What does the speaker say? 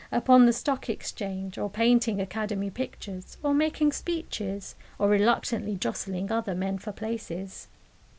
upon the Stock Exchange, or painting Academy pictures, or making speeches, or reluctantly jostling other men for places.